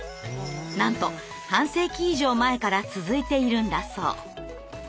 なんと半世紀以上前から続いているんだそう。